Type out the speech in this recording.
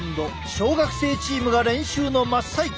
小学生チームが練習の真っ最中。